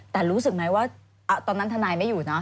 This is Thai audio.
แต่รู้สึกไหมว่าตอนนั้นทนายไม่อยู่นะ